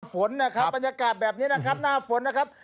หน้าฝนนะครับบรรยากาศแบบนี้นะครับ